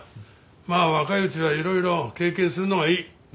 まあ若いうちはいろいろ経験するのがいい。